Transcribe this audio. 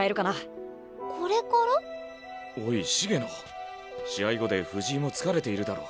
おい茂野試合後で藤井も疲れているだろう。